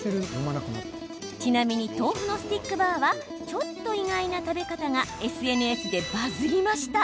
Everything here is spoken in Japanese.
ちなみに豆腐のスティックバーはちょっと意外な食べ方がＳＮＳでバズりました。